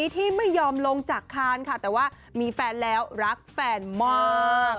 ที่ไม่ยอมลงจากคานค่ะแต่ว่ามีแฟนแล้วรักแฟนมาก